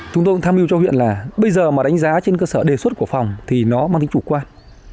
chúng tôi cũng tham mưu cho huyện là bây giờ mà đánh giá trên cơ sở đề xuất của phòng thì nó mang tính chủ quan